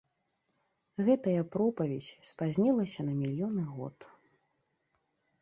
Гэтая пропаведзь спазнілася на мільёны год.